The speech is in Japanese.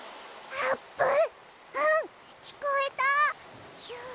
あーぷん！